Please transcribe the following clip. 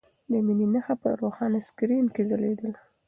د مڼې نښه په روښانه سکرین کې ځلېدله.